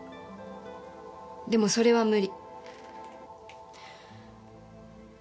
でもそれは無理。